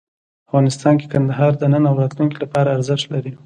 افغانستان کې کندهار د نن او راتلونکي لپاره ارزښت لري.